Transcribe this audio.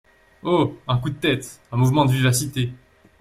Oh ! un coup de tête, un mouvement de vivacité !